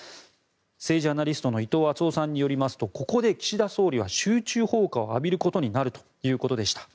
政治アナリストの伊藤惇夫氏によりますとここで岸田総理は集中砲火を浴びることになるということでした。